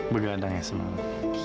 begadang ya semangat